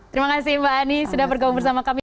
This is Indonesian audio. terima kasih mbak ani sudah bergabung bersama kami